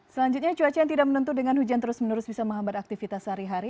selanjutnya cuaca yang tidak menentu dengan hujan terus menerus bisa menghambat aktivitas sehari hari